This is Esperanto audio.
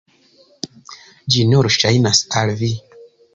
Ĝi nur ŝajnas al vi!